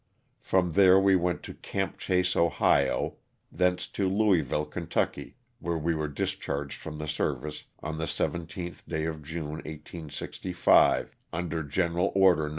From there we went to "Camp Chase," Ohio, thence to Louisville, Ky., where we were discharged from the service on the 17th day of June, 1865, under general order No.